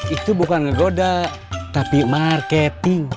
itu bukan goda tapi marketing